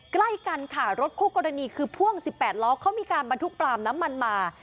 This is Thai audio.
ใกล้กันค่ะรถคู่กรณีคือพ่วง๑๘ล้อเขามีการบรรทุกปลามน้ำมันมา